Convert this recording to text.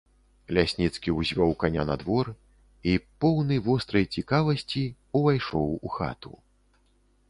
Лясніцкі ўзвёў каня на двор і, поўны вострай цікавасці, увайшоў у хату.